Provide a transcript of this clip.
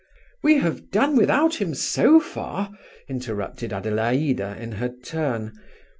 "We have done without him so far," interrupted Adelaida in her turn.